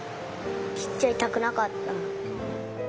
切っちゃいたくなかった。